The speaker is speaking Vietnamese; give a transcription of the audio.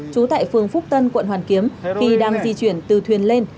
trú tại phường phúc tân quận hoàn kiếm khi đang di chuyển từ thuyền lên